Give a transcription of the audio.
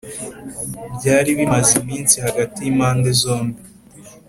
byari bimaze iminsi hagati y’impande zombi